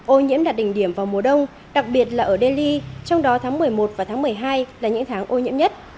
ô nhiễm đạt đỉnh điểm vào mùa đông đặc biệt là ở delhi trong đó tháng một mươi một và tháng một mươi hai là những tháng ô nhiễm nhất